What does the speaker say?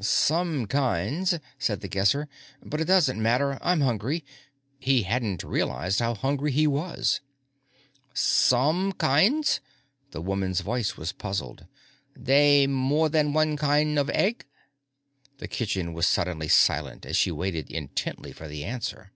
"Some kinds," said The Guesser. "But it doesn't matter. I'm hungry." He hadn't realized how hungry he was. "Some kinds?" The woman's voice was puzzled. "They more than one kind of egg?" The kitchen was suddenly silent as she waited intently for the answer.